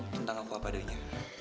tentang aku apa adanya